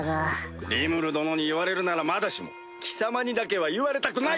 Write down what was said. リムル殿に言われるならまだしも貴様にだけは言われたくないわ！